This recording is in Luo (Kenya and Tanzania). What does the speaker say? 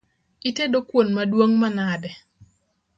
Itedo kuon maduong’ manade?